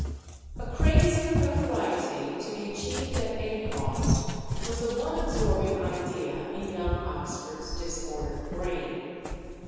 A craze for notoriety, to be achieved at any cost, was the one absorbing idea in young Oxford's disordered brain.